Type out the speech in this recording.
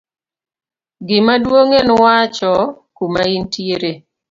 gimaduong' en wacho kuma intiere